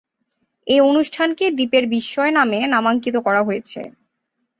এ অনুষ্ঠানকে "দ্বীপের বিস্ময়" নামে নামাঙ্কিত করা হয়েছে।